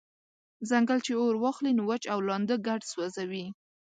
« ځنګل چی اور واخلی نو وچ او لانده ګډ سوځوي»